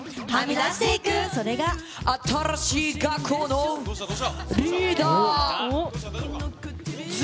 それが、新しい学校のリーダーズ。